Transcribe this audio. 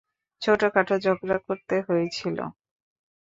ছোটখাটো ঝগড়া করতে হয়েছিল।